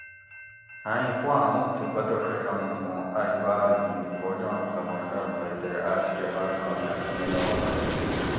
چھاں ایں پواں مؤک تھی پتہ ڛجنت اوں ائ باۤر گین فوجاۤں کمانڈر ھوئ تے آس کہ باۤر کامیابی میلاؤ ھوئ